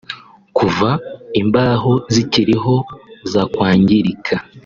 Kuva imbaho zikiriho zakwangirika